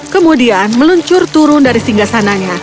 kemudian meluncur turun dari singgah sananya